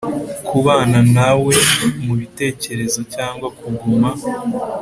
Kubana nawe mubitekerezo cyangwa kuguma